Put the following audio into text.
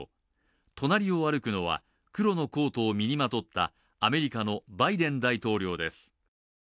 隣を歩くのは、黒のコートを身にまとったアメリカのバイデン大統領です。